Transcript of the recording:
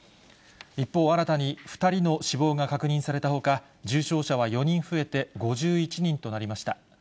一方、新たに２人の死亡が確認されたほか、重症者は４人増えて、５１人となりました。